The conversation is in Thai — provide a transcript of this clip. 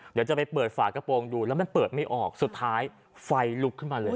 เดี๋ยวจะไปเปิดฝากระโปรงดูแล้วมันเปิดไม่ออกสุดท้ายไฟลุกขึ้นมาเลย